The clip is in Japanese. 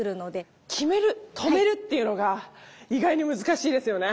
極める止めるっていうのが意外に難しいですよね。